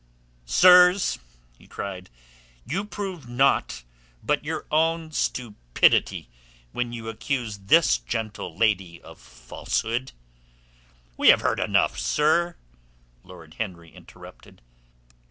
"Sirs," he cried, "you prove naught but your own stupidity when you accuse this gentle lady of falsehood." "We have heard enough, sir," Lord Henry interrupted.